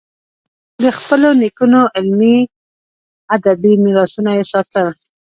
د خپلو نیکونو علمي، ادبي میراثونه یې ساتل.